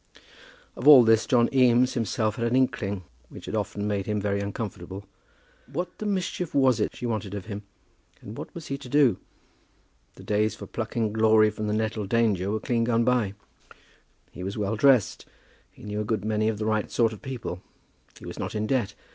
Of all this John Eames himself had an inkling which had often made him very uncomfortable. What the mischief was it she wanted of him; and what was he to do? The days for plucking glory from the nettle danger were clean gone by. He was well dressed. He knew a good many of the right sort of people. He was not in debt.